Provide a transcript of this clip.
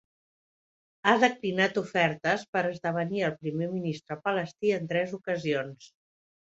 Ha declinat ofertes per esdevenir el primer ministre palestí en tres ocasions.